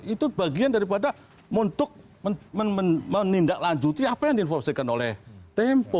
itu bagian daripada untuk menindaklanjuti apa yang diinformasikan oleh tempo